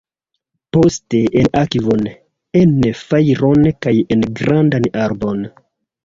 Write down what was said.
Poste en akvon, en fajron kaj en grandan arbon.